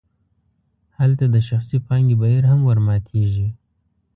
هلته د شخصي پانګې بهیر هم ورماتیږي.